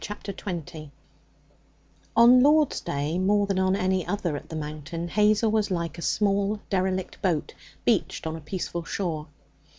Chapter 20 On Lord's Day more than on any other at the mountain Hazel was like a small derelict boat beached on a peaceful shore.